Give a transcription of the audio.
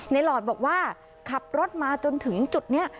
หลอดบอกว่าขับรถมาจนถึงจุดนี้